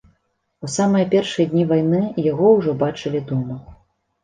У самыя першыя дні вайны яго ўжо бачылі дома.